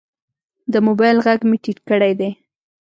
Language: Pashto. د موبایل غږ مې ټیټ کړی دی.